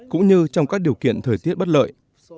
cũng như trong các điều kiện thời tiết bất lợi